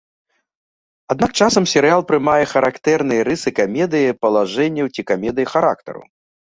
Аднак часам серыял прымае характэрныя рысы камедыі палажэнняў ці камедыі характараў.